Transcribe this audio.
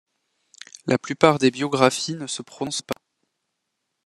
La plupart des biographies ne se prononcent pas.